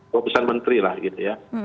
pembesar menteri lah gitu ya